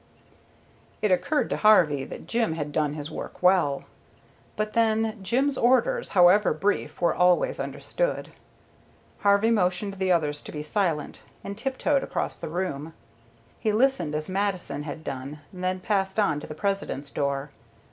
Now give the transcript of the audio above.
It occurred to Harvey that Jim had done his work well. But then, Jim's orders, however brief, were always understood. Harvey motioned the others to be silent, and tiptoed across the floor. He listened as Mattison had done, then passed on to the President's door.